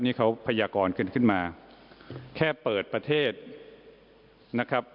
นี่เขาพยากรกันขึ้นมาแค่เปิดประเทศนะครับ